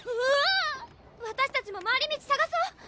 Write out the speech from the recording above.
わたしたちも回り道さがそう！